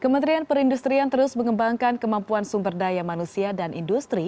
kementerian perindustrian terus mengembangkan kemampuan sumber daya manusia dan industri